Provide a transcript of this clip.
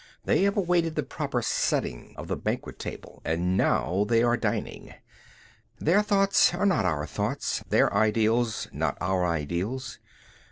They have awaited the proper setting of the banquet table and now they are dining. "Their thoughts are not our thoughts, their ideals not our ideals.